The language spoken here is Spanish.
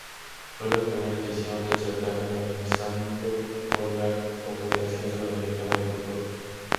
Fue la primera edición del certamen, organizado por la Confederación Sudamericana de Fútbol.